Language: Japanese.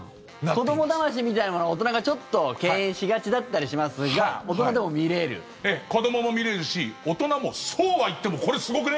子どもだましみたいなのは大人がちょっと敬遠しがちだったりしますが子どもも見れるし大人もそうはいってもこれすごくね？